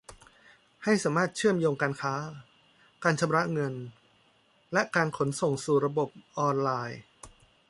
ให้สามารถเชื่อมโยงการค้า การชำระเงิน และการขนส่งสู่ระบบออนไลน์